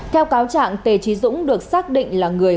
theo cáo trạng tề trí dũng được xác định là người